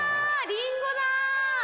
りんごだ！